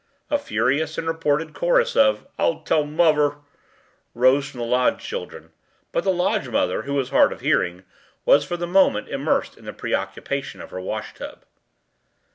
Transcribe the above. A furious and repeated chorus of “I’ll tell muvver” rose from the lodge children, but the lodge mother, who was hard of hearing, was for the moment immersed in the preoccupation of her washtub.